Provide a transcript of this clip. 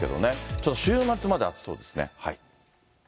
ちょっと週末まで暑そうですね。